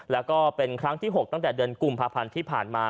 แล้วก็เป็นครั้งที่๖ตั้งแต่เดือนกุมภาพันธ์ที่ผ่านมา